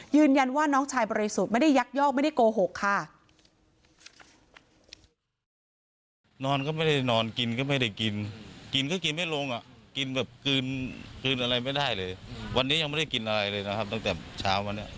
ยืนยันว่าน้องชายบริสุทธิ์ไม่ได้ยักยอกไม่ได้โกหกค่ะ